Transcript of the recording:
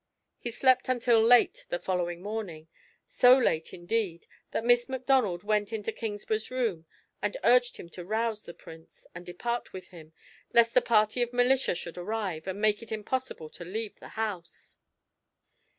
He slept until late the following morning, so late, indeed, that Miss Macdonald went into Kingsburgh's room, and urged him to rouse the Prince, and depart with him, lest a party of militia should arrive, and make it impossible to leave the house.